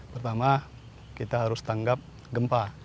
pertama kita harus tanggap gempa